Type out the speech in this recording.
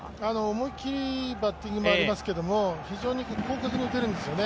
思いきりのいいバッティングもありますけど非常に広角に打てるんですよね。